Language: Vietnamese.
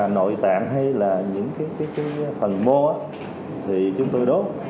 nội tạng hay là những cái phần mô thì chúng tôi đốt